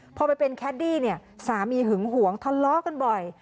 พอไปเป็นแคดดี้เนี่ยสามีหึงหวงทะเลาะกันบ่อย